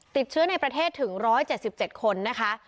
ติดเชื้อในประเทศถึง๑๗๗คนนะคะ